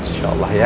insya allah ya